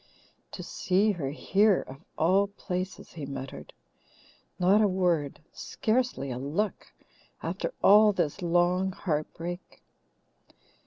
"To see her here, of all places!" he muttered. "Not a word, scarcely a look, after all this long heartbreak!